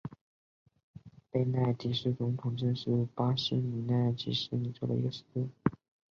贝纳迪斯总统镇是巴西米纳斯吉拉斯州的一个市镇。